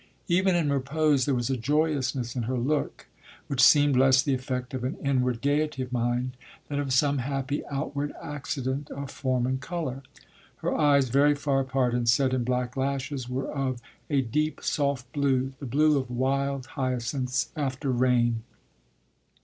Even in repose there was a joyousness in her look which seemed less the effect of an inward gaiety of mind than of some happy outward accident of form and colour. Her eyes, very far apart and set in black lashes, were of a deep soft blue the blue of wild hyacinths after rain.